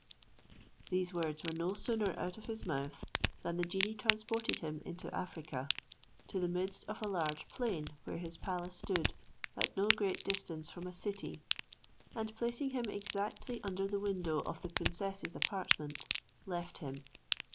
These words were no sooner out of his mouth, than the genie transported him into Africa, to the midst of a large plain, where his palace stood, at no great distance from a city, and placing him exactly under the window of the princess's apartment, left him.